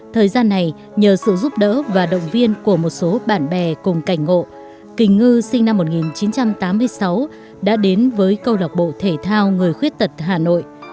thời gian này nhờ sự giúp đỡ và động viên của một số bạn bè cùng cảnh ngộ kỳnh ngư sinh năm một nghìn chín trăm tám mươi sáu đã đến với câu lạc bộ thể thao người khuyết tật hà nội